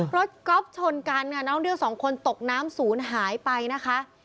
ก๊อฟชนกันค่ะนักท่องเที่ยวสองคนตกน้ำศูนย์หายไปนะคะ